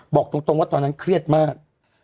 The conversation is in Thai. บอกตรงว่าตอนนั้นเครียดมาก